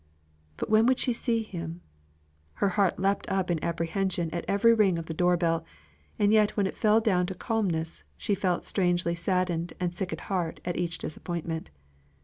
But when should she see him? Her heart leaped up in apprehension at every ring of the door bell; and yet, when it fell down to calmness, she felt strangely saddened and sick at heart at each disappointment.